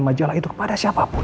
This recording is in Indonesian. majalah itu kepada siapapun